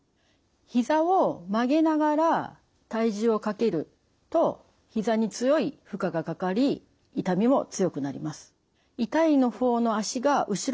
ひざを曲げながら体重をかけるとひざに強い負荷がかかり痛みも強くなります。